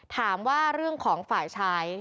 ถามว่าเรื่องของฝ่ายชาย